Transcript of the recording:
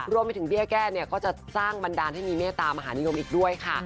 เบี้ยแก้เนี่ยก็จะสร้างบันดาลให้มีเมตตามหานิยมอีกด้วยค่ะ